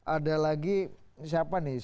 ada lagi siapa nih